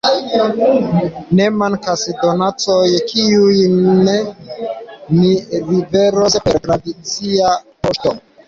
Ne mankas donacoj, kiujn ni liveros per tradicia poŝto.